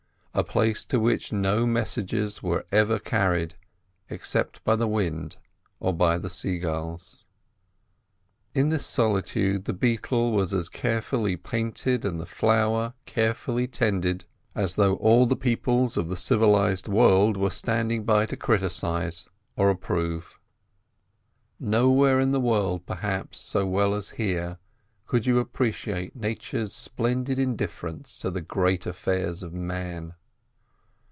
A place to which no messages were ever carried except by the wind or the sea gulls. In this solitude the beetle was as carefully painted and the flower as carefully tended as though all the peoples of the civilised world were standing by to criticise or approve. Nowhere in the world, perhaps, so well as here, could you appreciate Nature's splendid indifference to the great affairs of Man.